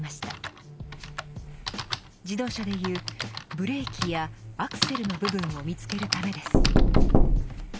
自動車でいうブレーキやアクセルの部分を見つけるためです。